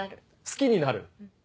好きになる。